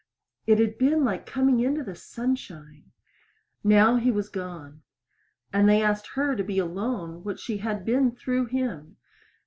It had been like coming into the sunshine! Now he was gone; and they asked her to be alone what she had been through him.